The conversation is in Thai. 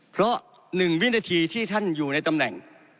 เพราะ๑วินาทีที่ท่านอยู่ในตำแหน่ง